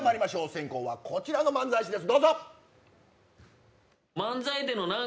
先攻はこちらの漫才師です。